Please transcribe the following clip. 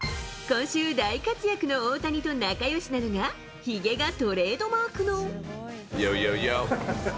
今週大活躍の大谷と仲よしなのが、ひげがトレードマークの。